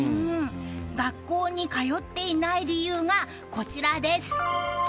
学校に通っていない理由がこちらです。